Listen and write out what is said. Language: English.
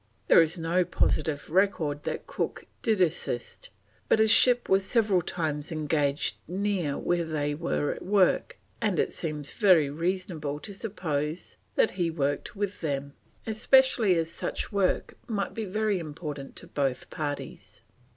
There is no positive record that Cook did assist, but his ship was several times engaged near where they were at work, and it seems very reasonable to suppose that he worked with them, especially as such work might be very important to both parties.